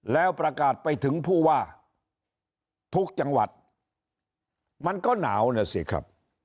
แล้วประกาศไปถึงผู้ว่าทุกจังหวัดมันก็หนาวนะสิครับ